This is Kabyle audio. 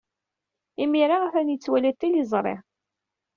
Imir-a, atan yettwali tiliẓri.